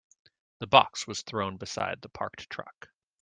The box was thrown beside the parked truck.